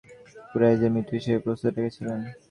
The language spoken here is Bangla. ইহুদীরা সুকৌশলে তাকে কুরাইশদের মিত্র হিসেবে প্রস্তুত রেখেছিল।